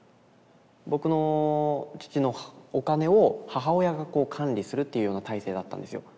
僕の父のお金を母親が管理するっていうような体制だったんですよ。